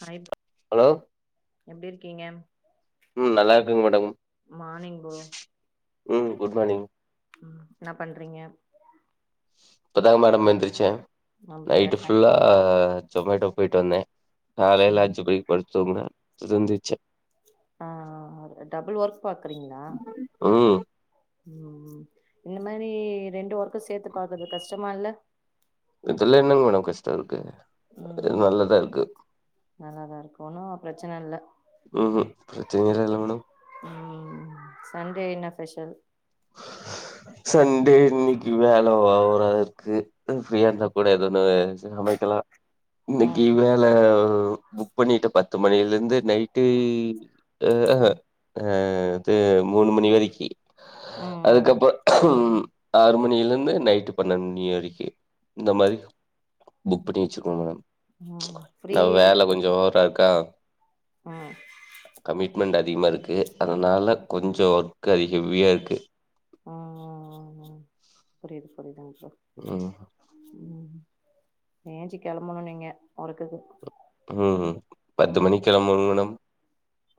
Hi bro hello எப்டி இருக்கீங்க உம் நல்லா இருக்கேங்க மேடம் மார்னிங் ப்ரோ ம் குட் மார்னிங் என்ன பண்றீங்க இப்பதாங்க மேடம் எந்திரிச்ச அப்டிங்களா நைட்டு் சார் ஃபுல்லா ஜொமேட்டோ போயிட்டு வந்தே காலையிலே சொன்னது அஞ்சு மணிக்கு படுத் [unintelligible] ஆங் டபுள் ஒர்க் பாக்குறீங்களா ம் ம் இந்த மாதிரி ரெண்டு ஒர்க் சேத்து பாக்குறது கஷ்டமா இல்ல இதுல்ல என்னங்க மேடம் கஷ்ட இருக்கு ம் இது நல்லாதா இருக்கு நல்லாதா இருக்கு ஒன்னும் பிரச்சனை இல்லா நீங்கதா [unintelligible] ம் சண்டே என்ன ஸ்பெஷல் சண்டே இன்னைக்கி வேல ஓவரா இருக்கு ஃப்ரீயா இருந்தா கூட ஏது ஒன்னு சமைக்கலா ம் இன்னைக்கி வேல புக் புக் பண்ணிட்ட பத்து மணில இருந்து நைட்டு ஆஹ ஹ ம் ஆங் இது மூணு மணி வரைக்கி ம் அதுக்கப்ப [inaudible] ம் ஆறு மணில இருந்து நைட்டு பன்னெண்டு மணி வரைக்கி இந்த மாரி புக் பண்ணி வச்சுகோங்க ம் நா ஃப்ரீயே வேல இல்ல கொஞ்சம் ஓவரா இருக்கா ம் கமிட்மெண்ட் அதிகமா இருக்கு அதனால கொஞ்ச ஒர்க் அதி ஹெவியா இருக் கு ஆ ஆ ஆ ஆ புரியுது புரியுதுங் சார் [unintelligible] உ ஏன்ச்சி கெளம்பணு நீங்க ஒர்க்குக்கு உஹ்ம் பத்து ம் மணிக்கு கெளம்பணு மேடம்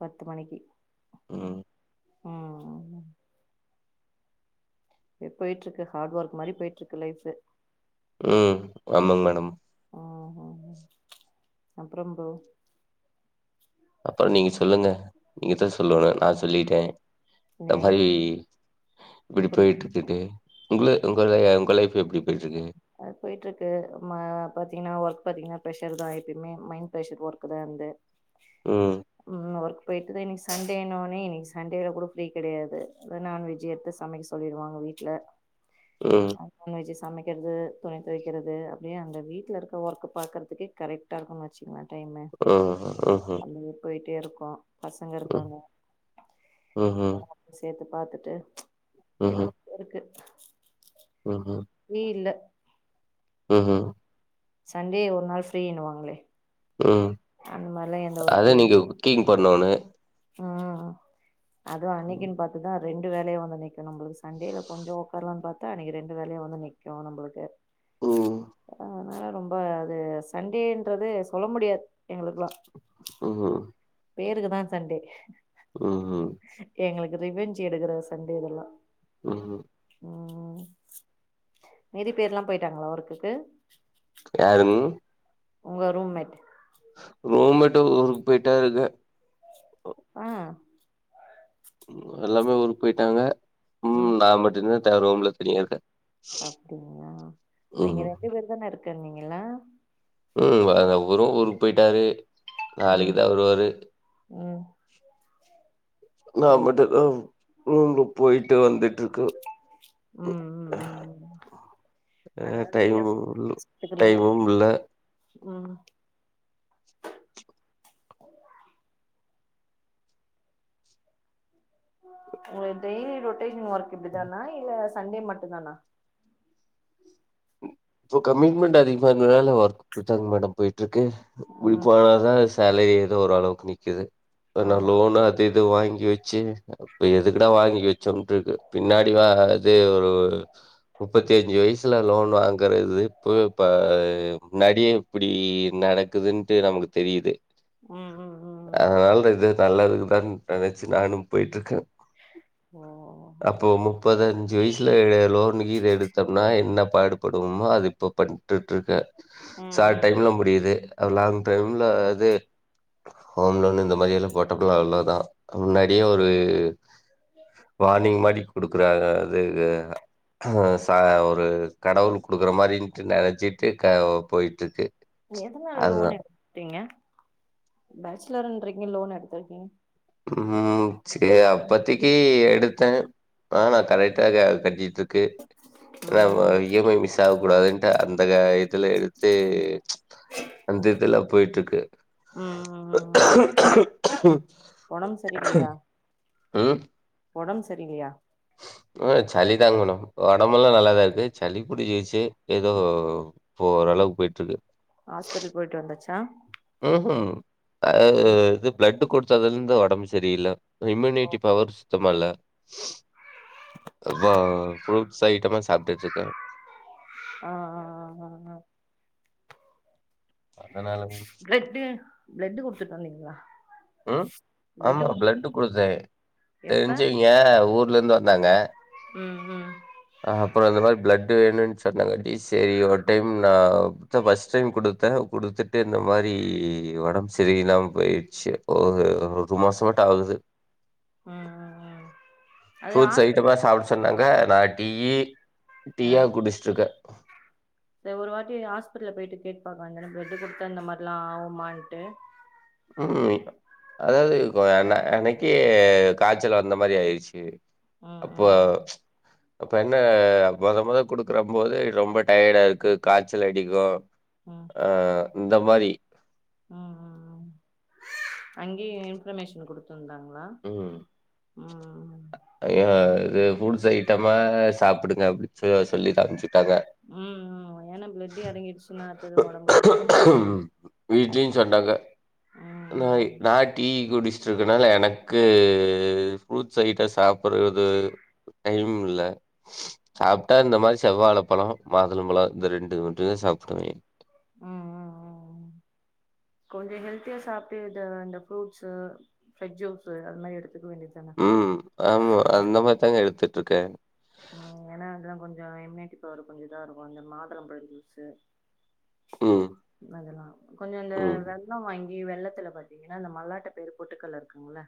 பத்து மணிக்கு ம் ஆஹ் பயே போயிட்டு இருக்கு ஹார்டு ஒர்க் மாரி போயிட்ருக்கு லைஃபு உஹ்ம் ஆமாங் மேடம் ஹ ஹ அப்புறம்போ அப்புறம் நீங்க சொல்லுங்க நீங்கதா சொல்லோணு நா சொல்லிட்டே இந்த நீங் மாரி இப்பிடி புரியுது போயிட்டு இருக்குது உங்களு உங்க உங்க லைஃப் எப்பிடி அது போயிட்ருக்கு அமா பாத்தீங்கன்னா ஒர்க் பாத்தீங்கன்னா ப்ரெஷர் தா எப்பயிமே மைண்ட் ப்ரெஷர் ஒர்க் தா என்து ம் உம் ஒர்க் போய்ட்டுதே இன்னைக்கு சண்டேனாலே இன்னிக்கு சண்டேல கூட ஃப்ரீ கிடையாது நான்வெஜ் எடுத்து சமைக் சொல்லிருவாங்க வீட்ல ம் [unintelligible] சமைக்கிறது துணி தொவைக்கிறது அப்டியே அந்த வீட்ல இருக்க ஒர்க் பாக்கறதுக்கே கரெக்டா இருக்குன் வச்சுங்களே உம் ஹ்ம் போயிட்டே இருக்கு பசங்க இருக்காங்க ம்ஹும் [inaudible] சேத்து பாத்துட்டு [unintelligible] ம்ஹும் இருக்கு நீ இல்ல உஹ் ம் சண்டே ஒரு நாள் ஃப்ரீனுவாங்களே உம் அத நீங்க குக்கிங் பன்னோனே ம் ம் அதுவும் ம் அன்னைக்குன்னு பா்த்துதான் ரெண்டு வேலையா வந்து நிக்கும் நம்பளுக்கு சண்டேல கொஞ்சம் உடக்காரலாம்னு பார்த்தா அன்னைக்கு ரெண்டு வேலையா வந்து நிக்கும் நம்பளுக்கு அதனால ரொம்ப அது சண்டேன்றது சொல்ல முடியாது எங்களுக்கெல்லாம் உஹ்ம் பேருக்குதான் சண்டே உஹ்உஹ்ம் எங்களுக்கு ரிவெஞ்ச் எடுக்கற சண்டே இதெல்லாம் ம் ம் மீதி பேர்ல்லாம் போயிட்டாங்களா ஒர்க்குக்கு யாருங் உங்க ரூம்மேட் ரூம்மேட் ஊருக்கு போயிட்டா இருக்க ஆ எல்லாமே ஊருக்கு போயிட்டாங்க ம் நான் மட்டுதா நா ரூம்ல தனியாருக்க அப்படிங்களா ம் நீங்க ரெண்டு பேர் தானே இருக் சொன்னீங்கள்ள ம் வ வரும் ஊருக்கு போயிட்டாரு ம் நாளைக்குதா வருவாரு ம் நான் புரியுது மட்டுந்தா ரூம்க்கு போயிட்டு வந்துட்ருக்க ம் ம் ம் ம் ஹ அதனால வெளில டைமும் த்துக்குறீங்க டைமும் இல்ல ம் உங்க டெய்லி ரொட்டேஷன் ஒர்க் இப்படி தானா இல்ல சண்டே மட்டுந் தானா தோ கமிட்டமெண்ட் அதிகமாருதனால அப்படித்தாங்க மேடம் போயிட்ருக்கு ம் [unintelligible] சேலரி ஏதோ ஓரளவுக்கு நிக்குது நா ஆமா லோனு அது இது வாங்கி வச்சு எதுக்குட வாங்கி வச்சோம்ட்ருக்கு பின்னாடி வா அது ஒரு முப்பத்தஞ்சு வயசுல லோன் வாங்க இருக்கது இப்போ இப்ப நடி இப்படி நடக்குதுன்ட்டு நமக்கு தெரியுது ம் ம் ம் அதனால இது நல்லதுக்குதான் நனச்சு நானும் போயிட்ருக்கே ஓ அப்போ முப்பதஞ்சு வயசுல லோனு கீது எடுத்தோம்னா என்ன பாடு ப்படுமா அது இப்ப பண் ட்டு இருக்கேன் ம் சார் ம் டைம்லா முடியுது லாங் டைம்ல அது ஹோம் லோன் இந்த மாரி எல்லா போட்டப்பலா அவ்ளோதா முன்னாடியே ஒரு வானிங் மாறி கொடுக்குற அது அ ச ஒரு கடவுள் குடுக்குற மாதிரின்ட்டு நெனச்சிட்டு க போய்ட்டுருக்கு நீங்க எதனால லோன் எடுத்தீங்க பேஜ்சலர்ன்றீங்க லோன் எடுத்திருக்கீங்க ம் செரி அப்பத்தக்கி எடுத்தே ஆன கரெக்டாக கட்டிட்டுருக்க- ம் இருக்கு இ எம் ஐ மிஸ் ஆகக் கூடாதுன்ட்டு அந்த இதுல எடுத்தே ச்ஸஅந்த இதல போய்ட்ருக்கு ம் ம் ம் ம் ஒடம்பு சரீலையா ம் ஒடம்பு சரீலையா உம் சளி தாங்க மேடம் ஒடம்புலா நல்லாதா இருக்கு சளிபுடிச்சிச்சி ஏதோ இப்ப ஓரளவுக்கு போயிட்ருக்கு ஹாஸ்பிட்டல் போயிட்டு வந்தாச்சா ம்ஹூம் அது ம் இது ப்ளட்டு கொடுத் துல இருந்து ஒடம்பு சரியில்ல இம்யூனிட்டி பவர் சுத்தமா இல்ல வா ஃப்ரூட் சயிட்டமா சாப்ட்டுட்ருக்கே அ அ அ அ அ அதனால ப்ளட்டு ப்ளடு குடுத் இது பண்ளீங்லா ம் ஆமா ப்ளட்டு குடுத்தே எப்ப தெரிஞ்சய்வங்க ஊர்லருந்து இருந்தாங்க ம் ம் ஆ அப்றோ இந்த மாரி ப்ளட் பிளட்டு வேணுனு சொன்னாங்க டி சி ஐ ஒரு டைம் நா இப்தா ஃபர்ஸ்ட் டைம் குடுத்தே குடுத்துட்டு இந்த மாரி ஒடம்பு சரியில்லாம போயிர்ச்சு ஒரு ஒரு மாசமாட்டாவுது ம் ம் ம் அது ஃப்ரூட்ஸ் ஹாஸ்பிட்டல் ஐட்டெம்லா சாப்ட சொன்னாங்க நா டீயி டீயா குடிச்சுட்ருக்கே செரி ஒரு வாட்டி ஹாஸ்பிட்டல்ல போயிட்டு கேட்டு பாக்லா தானே பிளெட்டு குடுத்தா இந்த மாரிலா ஆவுமான்ட்டு ம் அதாவது வா நா அன்னைக்கு காச்சலா இருந்த மாரி ஆய்டுச்சி அ அ அ அப்ப என்ன மொதல் மொதல்ல குடுக்குற போது ரொம்ப டயர்டா இருக்கு காய்ச்சல் அடிக்கோ ம் இந்த மாரி ம் ம் ம் அங்கேயே இன்ஃபர்மேஷன் குடுத் இருந்தாங்ளா ம். ம் ஐயோ! இது ஃபூட்ஸ் ஐட்டமா சாப்டுங்க அப்டி சே சொல்லிதா அம்ச்சு ம் ம் ஏனா ப்ளட்டு எறங்கிட்ச்சுன்னா அடுத்தது ஒடம்பு வீக்கா [inaudible] வீட்லியு சண்டங்க நாய் நா டீ குடிச் சிட்ருக்கனால எனக் கூ ஃப்ரூட்ஸ் ஐட்டொ சாப்புர்றது டைம் இல்ல சாப்ட்டா இந்த மாரி செவ்வாழ பழோ மாதுளம்பழோ இந்த ரெண்டு மட்டுதா சாப்டுவே ம் ம் ம் ம் கொஞ்சொ ஹெல்த்தியா சாப்ட்டு எத அந்த ஃப்ரூட்ஸு ஃப்ரஜ்ஜூஸு அதுலா எடுத் ம் ஆமா அந்த மாரி தாங்க எடுத்துட் த்துக்கே ம் ஏன்னா இதுலா கொஞ்சொ இம்யூனிட்டி பவர் கொஞ்சொ இதா இருக்கு இந்த மாதுளம்பழ ஜூஸு ம். அத எல்லாம் கொஞ்சம் இந்த ம். வெல்லம் வாங்கி நீ வெல்லத்துல பாத்தீங்கன்னா இந்த மல்லாட்ட பயிரு பொட்டுக்கள் இருக்குங்கள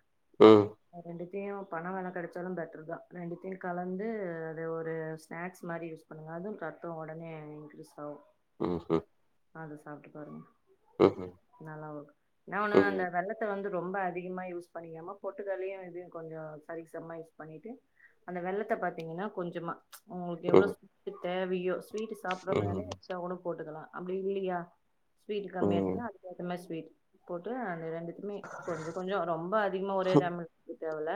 ம். ஆ ரெண்டு கியும் பன வெல்லம் கிடைச்சாலும் பெட்டர் தான் ரெண்டுத்தையும் கலந்து அது ஒரு ஸ்நாக்ஸ் மாதிரி யூஸ் பண்ணுங்க அதுவும் ரத்தம் உடனே இன்க்ரீஸ் ஆகும். ம்ஹும் அத சாப்ட்டு பாருங்க நல்லாவுக் என்னா ஒண்ணு அந்த ம். வெல்லத்த வந்து. ரொம்ப அதிகமா யூஸ் பண்ணிக்காம பொட்டுக்கல்லையும் இதையும் கொஞ்சம் சரிக்குசமம்மா யூஸ் பண்ணிட்டு அந்த வெல்லத்த பாத்தீங்கன்னா கொஞ்சமா ச்சு உங்களுக்கு ம். எவ்வளவு ஸ்வீட்டு தேவையோ ஸீவிட்டு சாப்பிட்ற ம். மாதிரி எச்சா கூட போட்டுக்கலாம் அப்படி இல்லையா ஸ்வீட் ம். கம்மியா ம். இருக்குனா அதுகேத்தமாரி ஸ்வீ்ட் போட்டு அந்த ரெண்டு எதுமே கொஞ்சம் கொஞ்சோ ரொம்ப அதிகமா ஒரே டைம்ல எவ்ள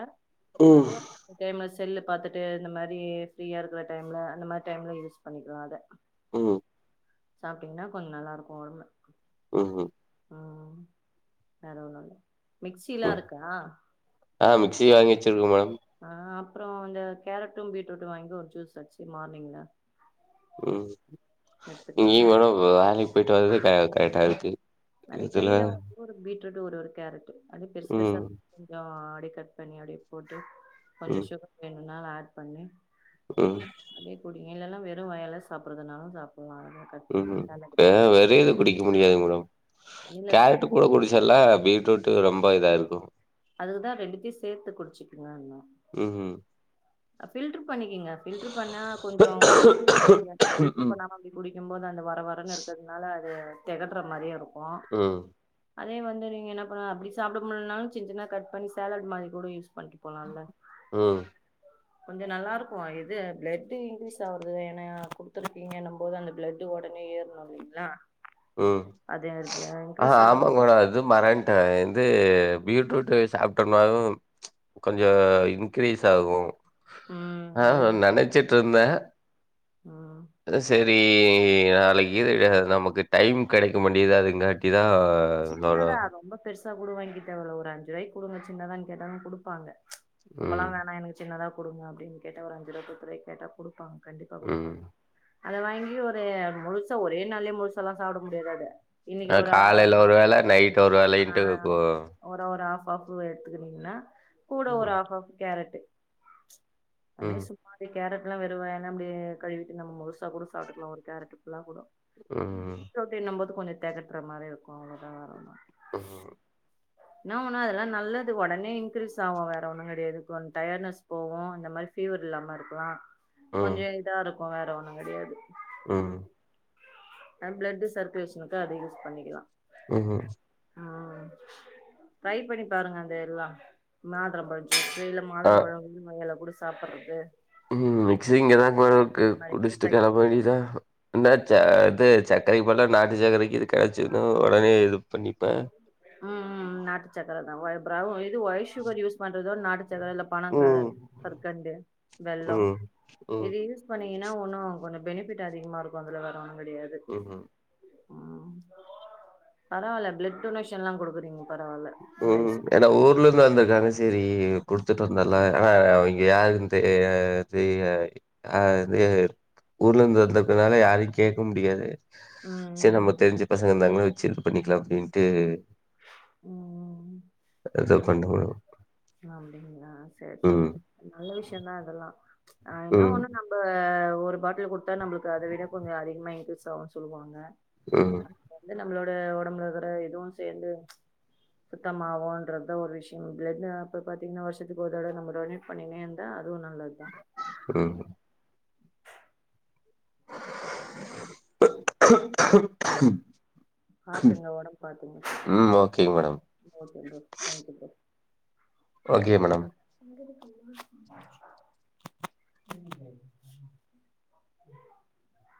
ம். போட் ஃபேமஸ் செல்லு பாத்துட்டு இந்த மாரி இது ஃப்ரியா இருக்கிற டைம்ல அந்த மாரி டைம்ல யூஸ் பண்ணிக்கலா அத ம் சாப்ட்டீங்கனா கொஞ்சோ நல்லா இருக்கு ஒடம்பு ம் ம் அ வேற ஒன்னுல்ல ம் மிக்சில்லா இருக்கா ஆ மிக்சி [unintelligible] ஆ அப்புறம் இந்த கேரட்டும் பீட்ரூட்டும் வாங்கி ஒரு ஜூஸ் அடிச்சு மார்னிங்ல ம் இங்கய எடுத்துக்கலால்ல வேணும் வேலைக்கு போயிட்டு வறதே கரெக்டா இருக்கு. நெறைய இதுல கையில ஒரு பீட்ரூட் ஒரு கேரட் அது பெருசு பெருசா ம் கொஞ்சம் அடி கட் பண்ணி அப்டியே போட்டு கொஞ்சோ ஷுகர் வேணு கொந்நாள் ஆட் பண்ணி ஹ்ம் இல்ல எல்லா வெறும் வாயால சாப்பிட்றதுனாலும் சாப் உம் வே - வெறு இது குடிக்க முடியாது மேடம் இல்ல கேரட்டு கூட குடிச்சர்ல்லா பீட் ட்ரூட்டு ரொம்ப இதா இருக்கு அதுக்குதா ரெண்டுத்தையு சேத்து குடிச்சுக்கங்கன்னே ஹ்ம் ஃபில்ட் ட்ரிப் ர் பண்ணிக்கிங்க ஃபில்டர் பண்ணா கொஞ்சோ ஒங்களுக் குடிக்க ஈஸியாருக்கு ஃபில்டர் பண்ணாம அப்பிடி குடிக்கும்போது அந்த வர வரன்னு இருக்கதுனால அது தெகட்டுற மாரியே இருக்கு கோ ம் அதே வந்து நீங்க என்ன பண்ணலா அப்டி சாப்பிட முடியுலன்னாலு சின் சின்ன கட் பண்ணி சேலட் மாரி கூட யூஸ் பண்ணிட்டு போலால்ல ம் கொஞ்சோ நல்லா இருக்கு அ இது பிளட் இன்க்ரீஸ் ஆகுறது ஏன்னா குடுத்துருக்கீங்கன்னம் போது அந்த பிளட் ஒடனே ஏறணு இல்லீங்களா உம் ஆஹ் ஆமா ஆகுறது கூட அது மறன்ட்ட நா என் வந்து பீட்ரூட்டு சாப்புட்டோன்னாலு ப்ச் கொஞ்சோ இன்க்ரீஸ் ஆகு ம் ஆஹ் அதுக்குதா சொல்றே நெனைச்சிட்டு இருந்தே ம் சேரி ஈ நாளக்கு தி நமக்கு டைம் கெடைக்க மாட்டேங்குது அதுக்கு [unintelligible] ஆஹ் நோடௌ இது கூட வாங்கத் தேவல்ல ஒரு அஞ்சு ரூவாய்க்கு குடுங்க சின்னதான்னு கேட்டாலு குடுப்பாங்க ரொம்பல்லா ம், வேணா எனக்கு சின்னதா குடுங்க அப்டின்னு கேட்டா ஒரு அஞ்சு ரூவா பத்து ரூவாக் கேட்டா குடுப்பாங்க கண்டிப்பா ம். குடுப்பாங்க அத வாங்கி ஒரு முழுசா ஒரே நாள்லயே முழுசால்லா சாப்ட முடியாது அத இன்னக்கி அ ஒரு காலையில அரன ஒரு வேல நைட் ஒரு வேல இன்ட்டர்வெக்கு பாப்புவ எடுத்துக்கினீங்கன்னா கூட ஒரு ஆஃப் ஆஃப் கேரட் [unintelligible] ம், சும்மாவே கேரட்லாம் வருவவே ஏா அப்ப கழுவிட்டு நம முழுசா கூட சாப்பட்டுக்கலாம் ஒரு கேரட புல்லாக கூட ம் ம் கொஞ்சம் தெகட்டுற மாரி இருக்கும் [unintelligible] ம், என்ன உன்னா அதெல்லாம் நல்லது உடனே இன்க்கிரீஸ் ஆகும் வேற ஒண்ணு கிடையாது ஒ டயடனஸ் போவூம் இந்த மாதிரி ஃபீவர் இல்லாம இருக்கலாம் ம், கொஞ்சா இதா இருக் இப்ப வேற ஒண்ணும் கிடையாது ம் பிளட் சர்க்குலேஷனுக்கு அதை யூஸ் பண்ணிக்கலாம் ம் ம் ம் டரை பண்ணி பாருங்க அந்த எல்லா [unintelligible] சில அ மாதுளை பழங்க மையலை குடிச் சாப்புட்றது ம் மிக்சி இங்க ஏதா ளுக்கு மாரி கூட குடிச்சுட்டு ட்ரை கிள மாண்டிதான் என்னாச்ச அது சர்க்கரைக்கு பதிலா நாட்டு சர்க்கரைக்கு இ கிடச்சுன்னு உடனேது ம்ம்ம் நாட்டு சக்கர தான் இது ஒயிட் சுகர் யூஸ் பண்றதோ ர பணம் ம், கற்கண்டு வெள்ளம் ம், ம், இது யூஸ் பண்ணீங்கன்னா ஒன்னும் கொஞ்சம் பெனிபிட் அதிகமா இருக்கும் அதுல வரும் முடியாது ம். ம் பரவால்ல ப்ளூட் டொனேஷன்லாம் கொடுக்றீங்க ம் ஏன்னா ஊர்ல இருந்து வந்திருக்காங்க சரி கொடுத்துட்டு வந்தலாம் ஆனா இங்க யாரு ஊர்ல இருந்து வந்தக்குனால யாரையும் கேட்க முடியாது சரி ம் நம்ம தெரிஞ்சு பசங்க இருந்தாங்க இது பண்ணிக்கலாம் அப்படின்ட்டு [unintelligible] அப்படிங்களா செரி செரி ம் நல்ல விஷயம்தான் இதெல்லாம் ஆ என்னா ம் ஒண்ணு நம்ம ஒரு பாட்டில் கொடுத்தா நம்மளுக்கு அதை விட கொஞ்சு அதிகமா இன்கரீஸ் ஆகுனு சொல்லுவாங்க ஆ வந்து நம்மளோட ஒடம்புல இருக்கிற இதுவு சேந்து ம்ச் சுத்தமாவுன்றதுதா ஒரு விஷயம் பிளட்டு [unintelligible] இப்ப பாத்தீங்கன்னா வருஷத்துக்கு ஒரு தடவ நம்ம டோனட் பண்ணினே இருந்தா அதுவு நல்லதுதா [unintelligible] [inaudible] பாத்துங்க ஒடம்ப பாத்துங்க ஓக்கே ம் ப்ரோ ஓகேங்க madam okay bro thank you bro okay madam [unintelligible]